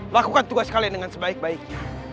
lakukan tugas kalian dengan sebaik baiknya